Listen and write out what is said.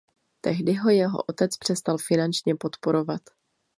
Tehdy ho jeho otec přestal finančně podporovat.